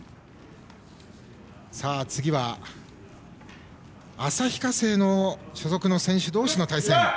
さあ次は、旭化成所属の選手同士の対戦。